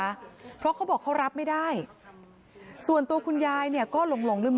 แม่จะฟ้องลูกใช่ไหมแม่บอกว่าแม่จะฟ้องลูกใช่ไหม